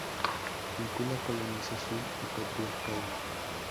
Vincula colonización y patriarcado.